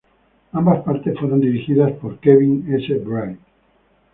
Ambas partes fueron dirigidas por Kevin S. Bright.